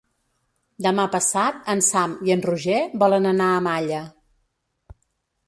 Demà passat en Sam i en Roger volen anar a Malla.